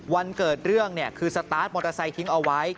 วันเกิดเรื่องคือสตาร์ทมอเตอร์ไซค์ทิ้งเอาไว้